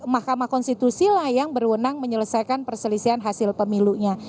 mahkamah konstitusi lah yang berwenang menyelesaikan perselisihan hasil pemilunya